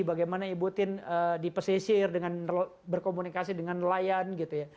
bagaimana ibu tin dipesisir dengan berkomunikasi dengan nelayan